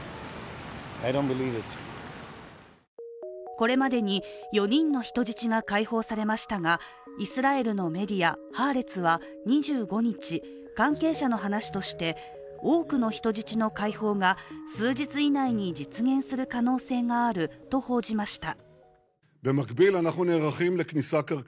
これまでに４人の人質が解放されましたがイスラエルのメディア、「ハーレツ」は２５日関係者の話として、多くの人質の解放が数日以内に実現する可能性があると報じました。